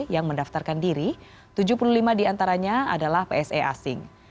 yang mendaftarkan diri tujuh puluh lima diantaranya adalah pse asing